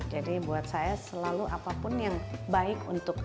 jadi buat saya selalu apapun yang baik untuk ibu